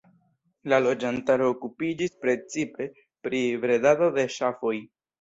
La loĝantaro okupiĝis precipe pri bredado de ŝafoj.